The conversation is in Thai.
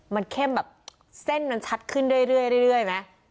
มันเข้มแบบเส้นมันชัดขึ้นเรื่อยไหม